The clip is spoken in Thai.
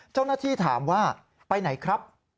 เจ้าหน้าที่ถามว่าไปไหนครับ